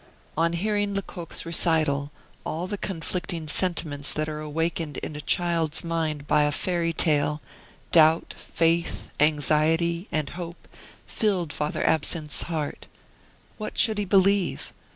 On hearing Lecoq's recital, all the conflicting sentiments that are awakened in a child's mind by a fairy tale doubt, faith, anxiety, and hope filled Father Absinthe's heart. What should he believe?